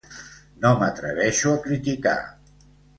No m'atreveixo a criticar.